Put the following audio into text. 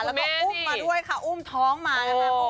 แล้วก็อุ้มมาด้วยค่ะอุ้มท้องมานะคะ